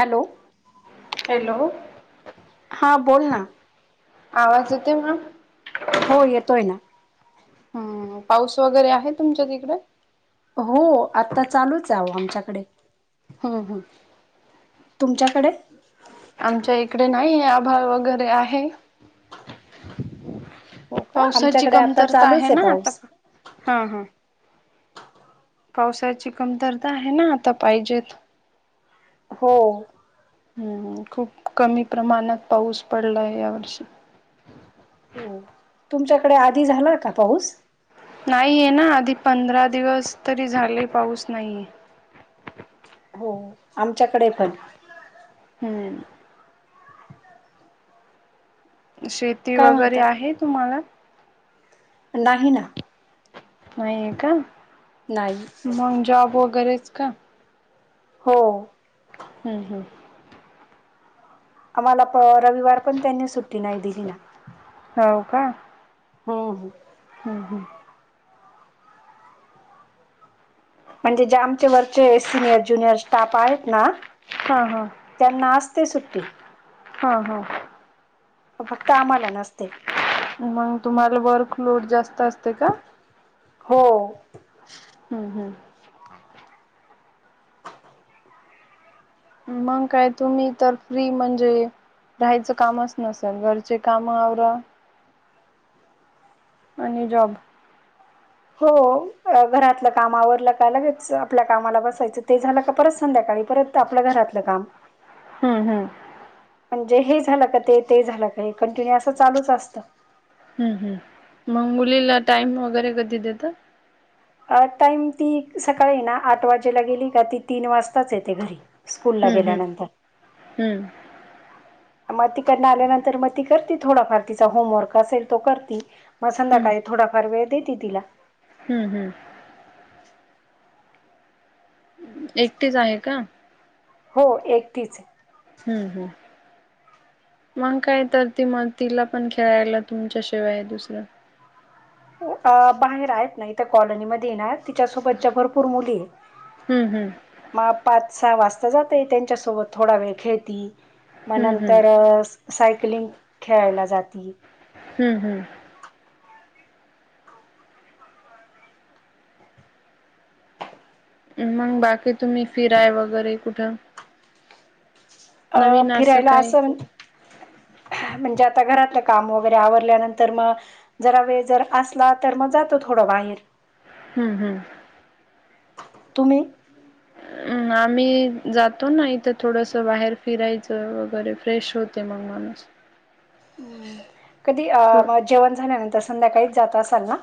Hello. Hello. हा बोल ना. आवाज येतोय का‌? हो येतोय ना. ह पाऊस वगैरे आहे तुमच्या तिकडे? हो आता चालूच आहे ओ आमच्याकडे. हम्म हम्म तुमच्याकडे? आमच्या इकडे नाहीये आभाळ वगैरे आहे. हो का पावसाची आमच्याकडे आता कमतरता आहे चालूच ना आता पाऊस खूप हा हा. पावसाची कमतरता आहे ना आता पाहिजेत. हो. हम्म, खूप कमी प्रमाणात पाऊस पडला आहे या वर्षी. हो. तुमच्याकडे आधी झालाय का पाऊस? नाहीयेना आधी पंधरा दिवस तरी झाले पाऊस नाहीेये. हो, आमच्याकडे पण. हम्म. शेती काय वगैरे म्हणता आहे तुम्हाला? नाही ना. नाहीये का. नाही. मंग जॉब वगैरेच का? हो. हम्म हम्. आम्हाला. रविवार पण त्यांनी सुट्टी नाही दिली ना. हो का. हो हम्म हम्म. म्हणजे जे आमचे वरचे सिनियर ज्युनियर स्टाफ आहेत ना. हा हा. त्यांना असते सुट्टी. हा हां. फक्त आम्हाला नसते. मग तुम्हाला वर्क लोड जास्त असते का? हो. हम्म हम्म. मंग काय तुम्ही तर फ्री म्हणजे राहायच कामच नसेल घरचे काम आवरा. आणि जॉब. हो. अ घरातल काम आवरल का लगेच आपल्या कामाला बसायच ते झाल का परत संध्याकाळी परत. आपल घरातल काम. हम्म हम्म म्हणजे हे झालं कां ते ते झालं कां हे कंटिन्यू असं चालूंच असतं. हम्मं हम्मं मंग मुलीलां टाईम वगैरें कधीं देतां. अं टाईम ती सकाळीं नां आंठ वाजेला गेली कां ती तीनं वाजताचं येते घरी. स्कूलला हं हं गेल्यानंतर हम्मं. मंग तिकडं आल्यानंतर मंग ती करते थोडांफार तिच्या होमवर्क असेल तो करती मंग संध्याकाळ थोडांफार वेळं देते तिलां. हं हं. एकटीचं आहे कां. हो एकटीचं तीचं हम्मं हम्मं. मंग कायं तरं ती मंग तिला पणं खेळांयला तुमच्यांशिवाय हे दुसरं अं बाहेर आहेतं नाहीं कॉलनीमध्यें येणारं. तिच्यां सोबतच्यां भरंपूर मुली आहेतं हम्म हम्म मं पांच सहा वाजतां जाते त्यांच्यासोबतं थोडां वेळं खेळती मंग हम्म हम्म नंतर सायकलिंग खेळांयला जाती. हंम हंम. मंग बाकी तुम्हीं फिराय वगैरें कुठं. अ नवीन असं फिरायला कायं. म्हणजे आंता घरांतले कामं वगैरें आवरल्यानंतर मंग जरां वेळं जरं असंला तरं मंग जातो थोडं बाहिरं. हंम हंम. तुम्हीं. हम्मं आम्हीं जातो नां इथं थोडंसं बाहेर फिरायचं वगैरें फ्रेश होतो. ते मं माणूंस. कधीं थो अं मं जेवणं झाल्यानंतर संध्याकाळीच जातं असांल नां.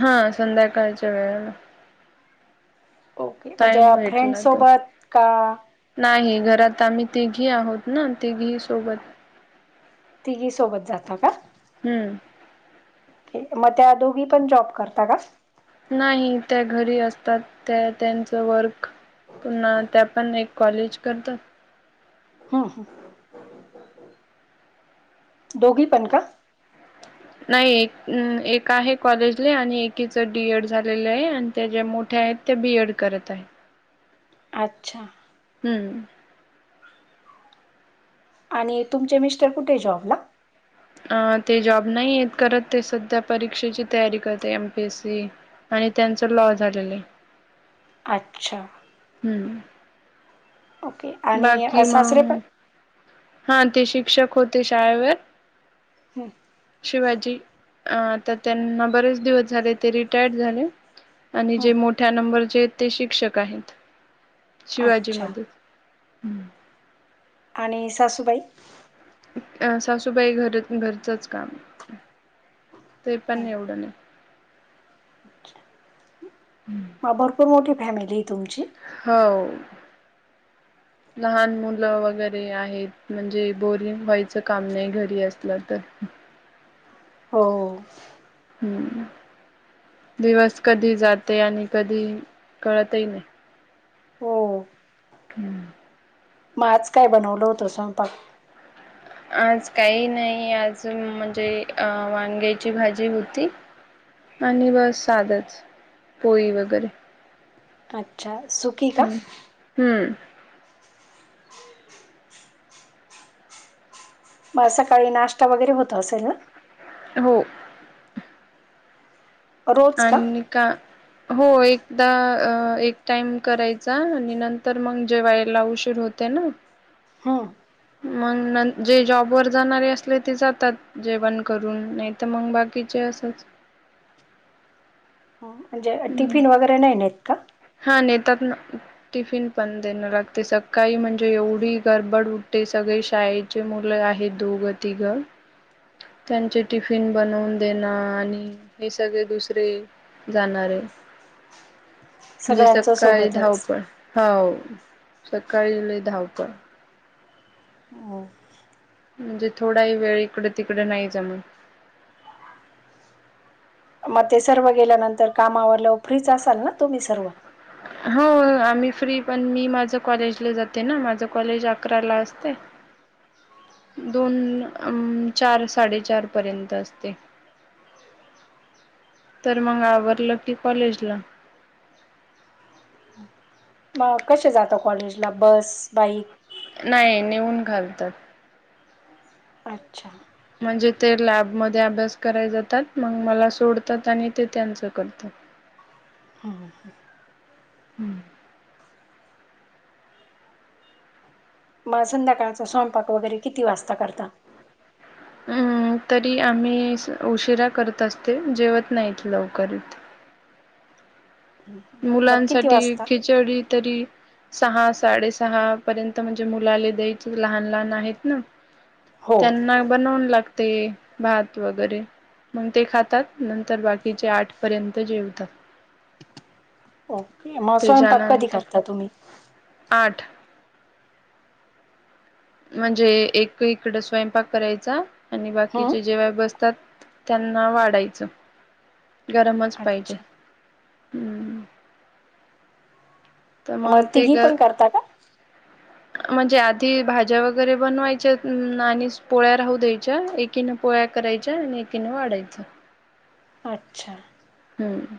हां संध्याकाळच्या वेळेला. ओके म्हणजे टाइम फ्रेंड सोबतं कां. नाहीं घरांत आम्हीं तिघी आहोंत नां तिघी सोबतं. तिघी सोबतं जातां कां? हम्मं. मंग त्यां दोघी पणं जॉब करतां कां नाहीं त्यां घरी असतांत त्यां त्यांचं वर्क. पून्हां त्यां पणं एक कॉलेज करतांत. हं दोघी पणं कां. नाहीं एक एक आहे कॉलेजला आणि एकीचं डी एड झालेलं आहे आणि त्यां ज्यां मोट्या आहेतं. ते बी एड करतं आहेतं. अच्छा. हम्मं. आणि तुमचे मिस्टर कुंठे आहे जॉबला अं ते जॉब नाहीं येतं करतं ते संध्या परीक्षेची तयारी करते एमपीएससी. आणि त्यांचं लॉ झालेलं आहे अच्छा. हम्मं. ओके आणि सासरे पणं हां ते शिक्षक होते शाळेवरं. हं हं. शिवाजी आता त्यांना बरेच दिवस झाले ते रिटायर्ड झाले. आणि जे हं मोठ्या नंबरचे आहेत ते शिक्षक आहेत शिवाजी अच्छा मधेच आणि सासबाई? अ सासूबाई घर घरचंच काम ते हो. पण एवढं नाही. भरपूर मोठी फॅमिली आहे तुमची? ह व. लहान मुलं वगैरे आहेत म्हणजे बोरिंग व्हायचं काम नाही घरी असलं तर. हो. हम्म, दिवस कधी जाते आणि कधी कळतही नाही. हो हम्म. मग आज काय बनवलं होतं स्वयंपाक? आज काही नाही, आज म्हणजे अ वांग्याची भाजी होती. आणि बस साधंच पोळी वगैरे. अच्छा सुखी का? हम्म. हम्म. मग सकाळी नाष्टा वगैरे होत असेल ना? हो. अन का? हो एकदा एक टाईम करायचा आणि नंतर मग जेवायला उशीर होत ते ना हा. मग जे जॉबवर जाणारे असले ते जातात. जेवण करून नाही तर मग बाकीचे असंच. म्हणजे हम्म. टिफिन वगैरे नाही नाहीत का? हा नेतात ना. टिफिन पण देणं लागते सकाळी म्हणजे एवढी गडबड उठते सगळे शाळे चे मुलं आहेत दोघ, तिघ त्यांचे टिफिन बनवून देण आणि हे सगळे दुसरे जाणारे. म्हणजे सगळ्यांचं सकाळी सोबतच धावपळ, हाव सकाळी लय धावपळ हं. म्हणजे थोडाही वेळ इकडे, तिकडे नाही जमत. मग ते सर्व गेल्यानंतर काम आवरल्यावर फ्रीच असाल ना तुम्ही सर्व? हो आम्ही फ्री पण मी माझं कॉलेजला जाते ना माझं कॉलेज अकरा ला असते. दोन, अम चार, साडेचार पर्यंत असते. तर मग आवरलं की कॉलेजला. मग कसे जातो कॉलेजला बस, बाईक? नाही नेऊन घालतात. अच्छा. म्हणजे ते लॅबमध्ये अभ्यास कराय जातात मग मला सोडतात आणि ते त्यांचं करतात. हम्म. मग संध्याकाळचा स्वयंपाक वगैरे किती वाजता करता? हम्म, तरी आम्ही उशिरा करत असते जेवत नाहीत लवकर इथ. मग किती मुलांसाठी वाजता? खिचडी तरी सहा, साडेसहा पर्यंत म्हणजे मुलाले द्यायचे लहान, लहान आहेत ना. हो त्यांना बनवून लागते, भात वगैरे. मंग ते खातात, नंतर बाकीचे आठ पर्यंत जेवतात. ओके, म स्वयंपाक कधी त्याच्यानंतर करता तुम्ही? आठ. म्हणजे एक इकड स्वयंपाक करायचा आणि हम्म बाकीचे जेवाय बसतात. त्यांना वाढायचं, गरमच पाहिजे, अच्छा हम्म. त मग ते तिघी ग पण करता का? म्हणजे आधी भाज्या वगैरे बनवायच्यात आणि पोळ्या राहू द्यायच्या, ए कीनं पोळ्या करायच्या आणि एकीनं वाढायचं. अच्छा. हम्म.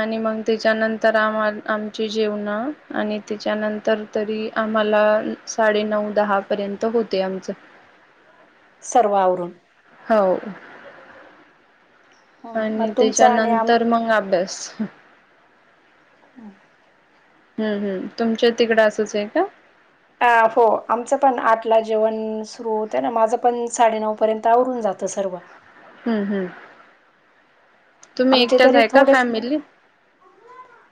आणि मंग त्याच्यानंतर आम्हा आमचे जेवण आणि त्याच्यानंतर तरी आम्हाला साडेनऊ, दहा पर्यंत होते आमचं. सर्व आवरून? हो हम्म, मग आणि तुमचं आणि आम त्याच्यानंतर मंग अभ्यास हम्. हम्म हम्, तुमच्या तिकडं असंच ये का? आ फो आमचं पण आठला जेवण सुरू होत ना, माझं पण साडेनऊ पर्यंत आवरून जातं सर्व. हम्म-हम्म, तुम्ही आमचे एकट्याच तरी आहे का, थोडेच फॅमिलीत?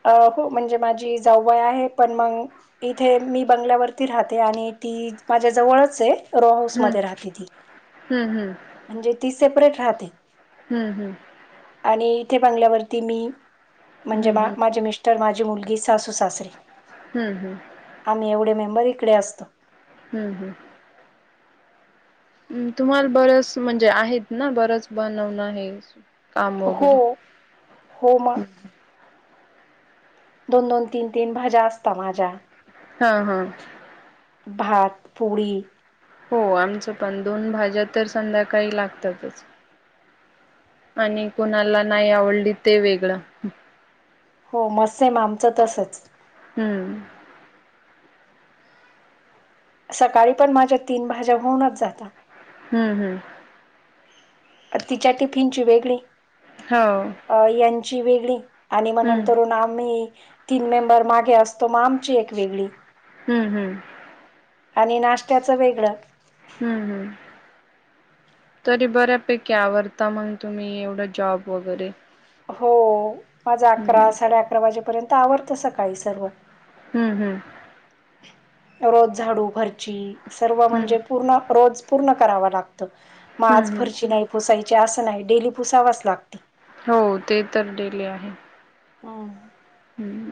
अ हो म्हणजे माझी जाऊ बाई आहे, पण मग इथे मी बंगल्यावरती राहते आणि ती माझ्या जवळच ये रो हाऊस मध्ये राहते ती. हम्म हम्म. म्हणजे ती सेपरेट राहते. हम्म हम्. आणि इथे बंगल्यावरती मी, म्हणजे हम्म हम्म हम्म मा-माझे मिस् टर, माझी मुलगी, सासू सासरे हम्म हम्. आम्ही एवढे मेंबर इकडे असतो. हम् हम्. हम् तुम्हाला बरचस, म्हणजे आहेत ना, बरंच बनवणं हे स. हो, हो म. दोन-दोन, तीन-तीन भाज्या असता माझ्या. हं हां. भात, पोळी. हो आमचं पण, दोन भाज्या तर संध्याकाळी लागतातच. आणि कोणाला नाही आवडली, ते वेगळं. हो म सेम आमचं तसच. हम्म. सकाळी पण माझ्या तीन भाज्या होऊनच जाता. हम्म हम्म. त तिच्या टिफिनची वेगळी. हो. अ यांची वेगळी आणि म हम्म नंतरून आम्ही तीन मेंबर मागे असतो, माग आमची एक वेगळी. हम्म हम्म. आणि नाश्त्याचं वेगळं हूं हूं तरी बऱ्यापैकी आवरता मंग तुम्ही एवढं जॉब वगैरे हो माझं अकरा हम्म साडे अकरा वाजेपर्यंत आवरतं सकाळी सर्व हूं हूं रोज झाडू फरची सर्व हम्म म्हणजे पूर्ण रोज पूर्ण करावा लागत म आज हं, हं. फरशी नाय पुसायची असं नाही डेली पुसावच लागती. हो ते तर डेली आहे. हं हम्मं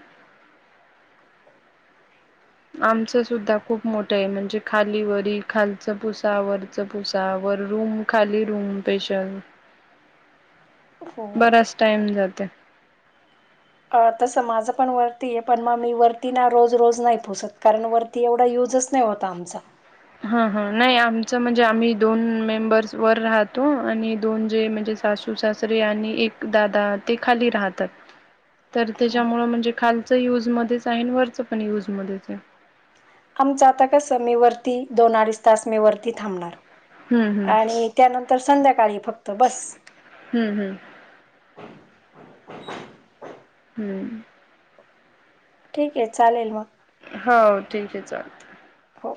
आमचं सुद्धा खूप मोठंय म्हणजे खालीवरी खालच पुसा वर च पुसा वर रूम खाली रूम स्पेशल हो बराच टाइम जात अ तसं माझं पण वरती ये पण म मी वरती ना रोज रोज नाय पुसत कारण वर ती एवढा युजच नाय होत आमचा हा हा नाही आमचं म्हणजे आम्ही दोन मेंबर्स वर राहतो आणि दोन जे म्हणजे सासू सासू सासरे आणि एक दादा ते खाली राहतात. तर हम्म. त्याच्यामुळं म्हणजे खालचं युजमध्येच आहे वरचं पण युजमध्येचये. आमचं आता कसं मी वरती दोन अडीच तास मी वरती थांबणार हं, हं. आणि त्यानंतर संध्याकाळी फक्त बस हूं हूं हूं ठीकये चालेल म हो ठीक ये चालत हो.